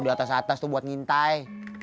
di atas atas tuh buat ngintai